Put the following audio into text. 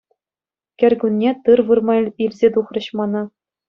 Кӗркунне тыр вырма илсе тухрӗҫ мана.